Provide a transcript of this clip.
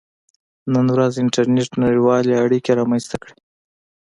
• نن ورځ انټرنېټ نړیوالې اړیکې رامنځته کړې.